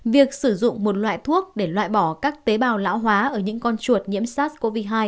việc sử dụng một loại thuốc để loại bỏ các tế bào lão hóa ở những con chuột nhiễm sars cov hai